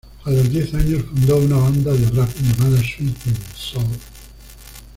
A los diez años, fundó una banda de rap llamada Sweet 'n' Sour.